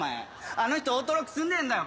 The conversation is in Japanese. あの人オートロック住んでんだよ